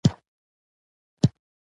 ښځو ته د کمترۍ احساس ورکړى